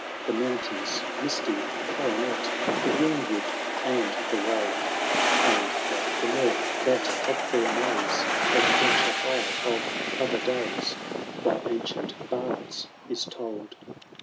The mountain*8 misty^ coronet. The greenwood, and the wold ; And love the more, that of their maze Adventure high of other days By ancient bards is told.